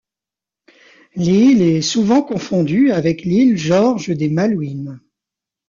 L'île est souvent confondue avec l'île George des Malouines.